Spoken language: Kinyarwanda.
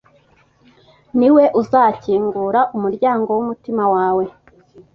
niwe uzakingura umuryango Wumutima wawe